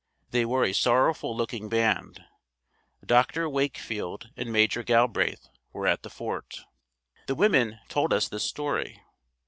They were a sorrowful looking band. Dr. Wakefield and Maj. Galbraith were at the fort. The women told us this story.